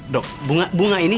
dokter bunga ini